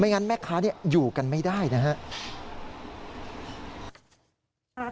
งั้นแม่ค้าอยู่กันไม่ได้นะครับ